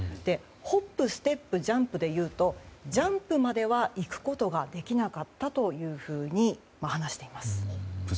ホップ・ステップ・ジャンプでいうとジャンプまでは行くことができなかったというふうに話しています。